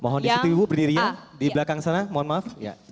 mohon di situ ibu berdiri di belakang sana mohon maaf